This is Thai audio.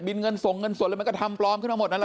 เงินส่งเงินสดเลยมันก็ทำปลอมขึ้นมาหมดนั่นแหละ